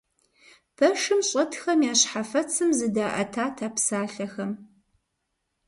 Пэшым щӀэтхэм я щхьэфэцым зыдаӀэтат а псалъэхэм.